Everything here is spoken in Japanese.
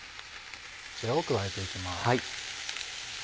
こちらを加えて行きます。